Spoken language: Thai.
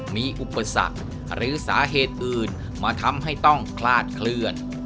มีอุปสรรคหรือสาเหตุอื่นมาทำให้ต้องคลาดเคลื่อน